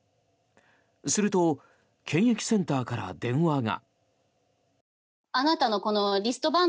すると検疫センターから電話が。